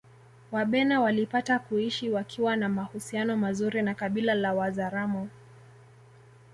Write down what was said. Wabena walipata kuishi wakiwa na mahusiano mazuri na kabila la Wazaramo